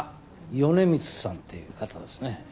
ヨネミツさんっていう方ですね。